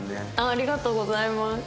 ありがとうございます。